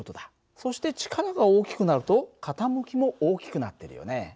そして力が大きくなると傾きも大きくなってるよね。